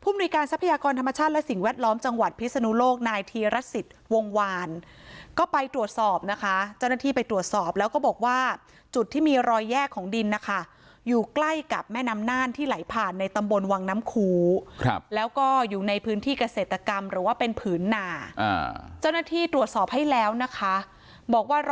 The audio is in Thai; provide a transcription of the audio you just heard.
มนุยการทรัพยากรธรรมชาติและสิ่งแวดล้อมจังหวัดพิศนุโลกนายธีรสิทธิ์วงวานก็ไปตรวจสอบนะคะเจ้าหน้าที่ไปตรวจสอบแล้วก็บอกว่าจุดที่มีรอยแยกของดินนะคะอยู่ใกล้กับแม่น้ำน่านที่ไหลผ่านในตำบลวังน้ำคูครับแล้วก็อยู่ในพื้นที่เกษตรกรรมหรือว่าเป็นผืนหนาเจ้าหน้าที่ตรวจสอบให้แล้วนะคะบอกว่าร